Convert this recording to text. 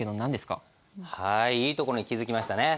いいとこに気付きましたね。